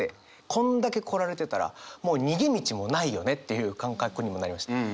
こんだけ来られてたらもう逃げ道もないよねっていう感覚にもなりました。